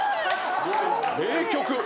名曲！